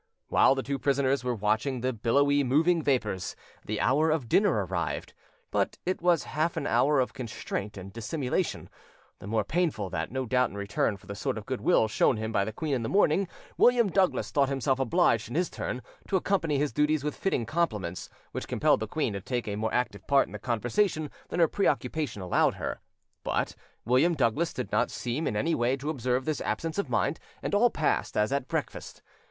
While the two prisoners were watching the billowy, moving vapours, the hour of dinner arrived; but it was half an hour of constraint and dissimulation, the more painful that, no doubt in return for the sort of goodwill shown him by the queen in the morning, William Douglas thought himself obliged, in his turn, to accompany his duties with fitting compliments, which compelled the queen to take a more active part in the conversation than her preoccupation allowed her; but William Douglas did not seem in any way to observe this absence of mind, and all passed as at breakfast.